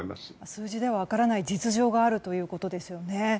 数字では分からない実情があるということですね。